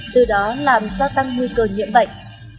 từ đó làm gia tăng nguy cơ nhiễm bệnh